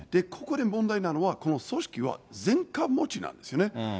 ここで問題なのは、この組織は前科持ちなんですよね。